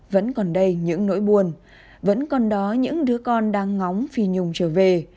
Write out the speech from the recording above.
vẫn còn đây những nỗi buồn vẫn còn đó những đứa con đang ngóng phi nhung trở về